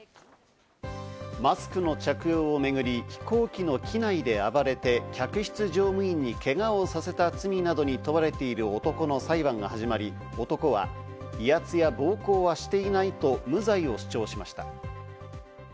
マスクの着用をめぐり、飛行機の機内で暴れて客室乗務員にけがをさせた罪などに問われている男の裁判が始まり、男は威圧や暴行はしていないと無罪を主張しました。